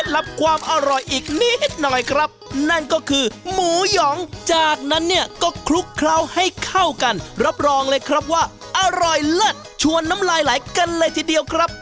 รับรองเลยครับว่าอร่อยเลิศชวนน้ำลายไหลกันเลยทีเดียวครับ